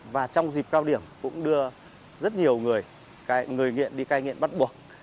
và trong dịp cao điểm cũng đưa rất nhiều người người nghiện đi cai nghiện bắt buộc